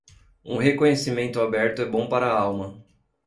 Um reconhecimento aberto é bom para a alma.